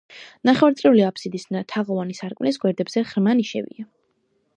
ნახევარწრიული აფსიდის თაღოვანი სარკმლის გვერდებზე ღრმა ნიშებია.